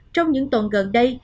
trong những tuần gần đây